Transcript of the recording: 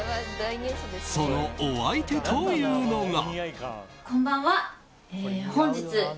そのお相手というのが。